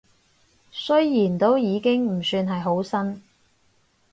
雖然都已經唔算係好新